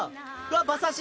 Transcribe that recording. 馬刺し！